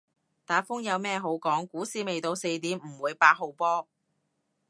打風有咩好講，股市未到四點唔會八號波